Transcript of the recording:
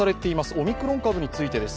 オミクロン株についてです。